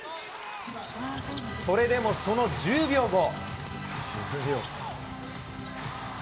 それでもその１０秒後。